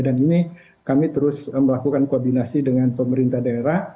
dan ini kami terus melakukan koordinasi dengan pemerintah daerah